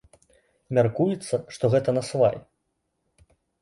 Мяркуецца, што гэта насвай.